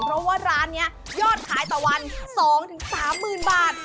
เพราะว่าร้านนี้ยอดขายต่อวัน๒๓๐๐๐บาท